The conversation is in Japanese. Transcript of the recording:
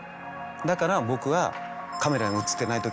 「だから僕は」。